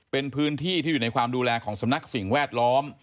เป็นพื้นที่ที่อยู่ในความดูแลของสำนักสิ่งแวดล้อม